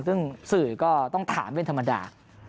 ซึ่งสื่อก็ต้องถามเป็นธรรมดา